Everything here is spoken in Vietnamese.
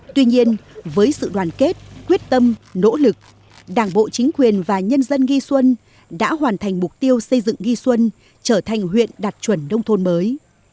tuy nhiên với sự đoàn kết quyết tâm nỗ lực đảng bộ chính quyền và nhân dân nghi xuân đã hoàn thành mục tiêu xây dựng nghi xuân trở thành huyện đạt chuẩn nông thôn mới